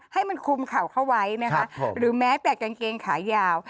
ให้มันคุมเข่าเข้าไว้นะคะหรือแม้แต่กางเกงขายาว